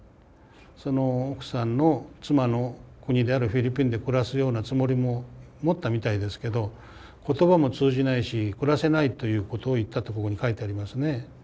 奥さんの妻の国であるフィリピンで暮らすようなつもりも持ったみたいですけど言葉も通じないし暮らせないということを言ったってここに書いてありますね。